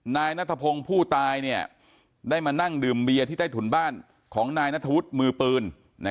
นายนัทพงศ์ผู้ตายได้มานั่งดื่มเบียร์ที่ใต้ถุนบ้านของนายนัทธวุฒิมือปืน